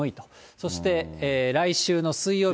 そして来週の水曜日。